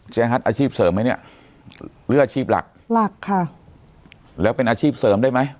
ฮัทอาชีพเสริมไหมเนี่ยเลือกอาชีพหลักหลักค่ะแล้วเป็นอาชีพเสริมได้ไหม